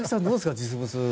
実物。